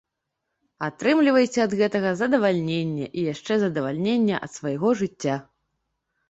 Атрымлівайце ад гэтага задавальненне, і яшчэ задавальненне ад свайго жыцця!